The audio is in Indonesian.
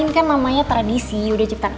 ini kan namanya tradisi udah cipta